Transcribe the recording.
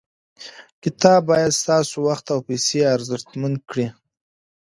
کتاب باید ستاسو وخت او پیسې ارزښتمن کړي.